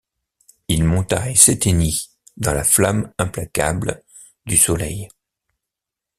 Il monta et s’éteignit, dans la flamme implacable du soleil.